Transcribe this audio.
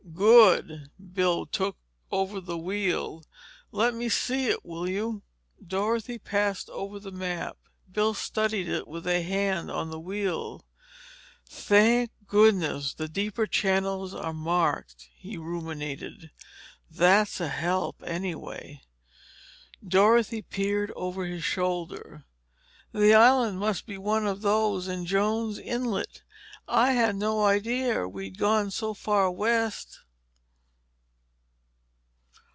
"Good." Bill took over the wheel. "Let me see it, will you?" Dorothy passed over the map. Bill studied it with a hand on the wheel. "Thank goodness the deeper channels are marked," he ruminated, "that's a help, anyway." Dorothy peered over his shoulder. "That island must be one of those in Jones Inlet. I had no idea we'd gone so far west."